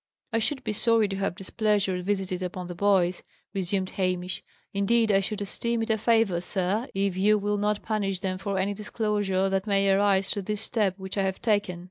"I should be sorry to have displeasure visited upon the boys," resumed Hamish. "Indeed, I should esteem it a favour, sir, if you will not punish them for any disclosure that may arise through this step which I have taken.